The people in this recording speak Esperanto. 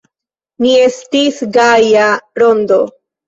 Ni estis gaja rondo.